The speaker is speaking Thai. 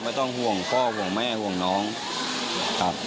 ไม่ต้องห่วงพ่อห่วงแม่ห่วงน้องครับ